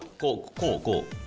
こうこう！